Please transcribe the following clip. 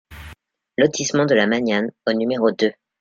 Lotissement de la Magnane au numéro deux